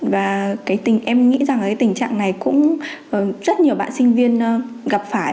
và em nghĩ rằng cái tình trạng này cũng rất nhiều bạn sinh viên gặp phải